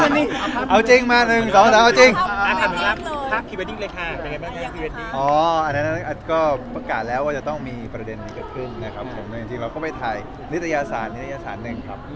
นี่ถามเล่นหรือถามหิวตาเร